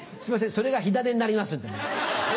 それが火種になります。